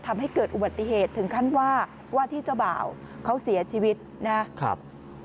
ทำให้เกิดอุบัติเหตุถึงขั้นว่าว่าที่เจ้าบ่าวเขาเสียชีวิตนะครับ